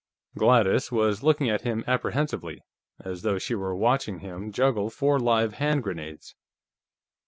Gladys was looking at him apprehensively, as though she were watching him juggle four live hand grenades.